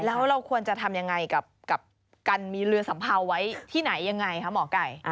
แล้วเราควรจะทำยังไงกับการมีเรือสัมเภาไว้ที่ไหนยังไงคะหมอไก่